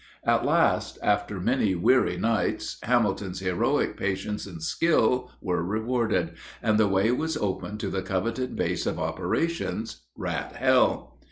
At last, after many weary nights, Hamilton's heroic patience and skill were rewarded, and the way was open to the coveted base of operations, Rat Hell.